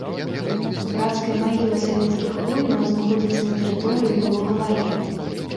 Брацкая магіла савецкіх воінаў знаходзіцца на тэрыторыі былога лагера.